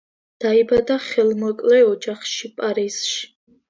დაიბადა ხელმოკლე ოჯახში პარიზში.